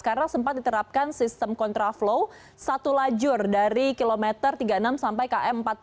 karena sempat diterapkan sistem kontraflow satu lajur dari kilometer tiga puluh enam sampai km empat puluh tujuh